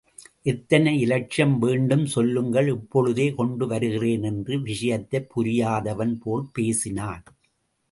எத்தனை இலட்சம் வேண்டும் சொல்லுங்கள் இப்பொழுதே கொண்டு வருகிறேன் என்று விஷயத்தைப் புரியாதவன் போல் பேசினான்.